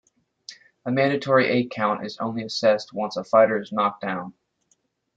A mandatory eight count is only assessed once a fighter is knocked down.